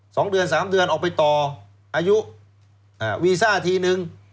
สองเดือนสามเดือนออกไปต่ออายุอ่าวีซ่าทีนึง